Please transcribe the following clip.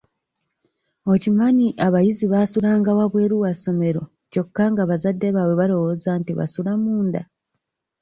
Okimanyi abayizi baasulanga wabweru wa ssomero kyokka nga bazadde baabwe balowooza nti basula munda?